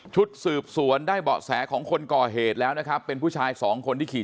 จังหวะนั้นได้ยินเสียงปืนรัวขึ้นหลายนัดเลย